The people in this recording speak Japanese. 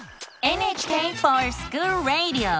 「ＮＨＫｆｏｒＳｃｈｏｏｌＲａｄｉｏ」！